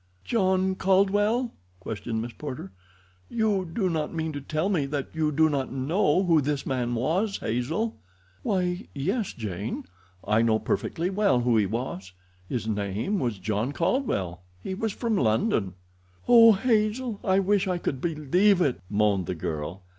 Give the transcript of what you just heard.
"John Caldwell?" questioned Miss Porter. "You do not mean to tell me that you do not know who this man was, Hazel?" "Why, yes, Jane; I know perfectly well who he was—his name was John Caldwell; he was from London." "Oh, Hazel, I wish I could believe it," moaned the girl.